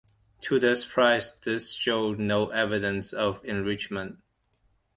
To their surprise, this showed no evidence of enrichment.